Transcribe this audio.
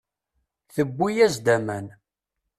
Tewwi-as-d aman.